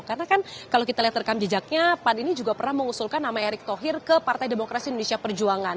karena kan kalau kita lihat rekam jejaknya pan ini juga pernah mengusulkan nama erick thohir ke partai demokrasi indonesia perjuangan